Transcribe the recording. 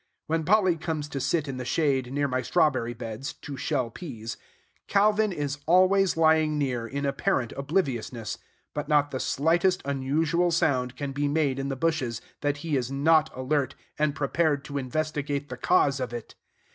When Polly comes to sit in the shade near my strawberry beds, to shell peas, Calvin is always lying near in apparent obliviousness; but not the slightest unusual sound can be made in the bushes, that he is not alert, and prepared to investigate the cause of it.